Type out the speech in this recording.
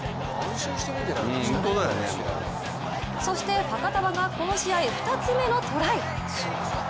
そして、ファカタヴァがこの試合２つ目のトライ。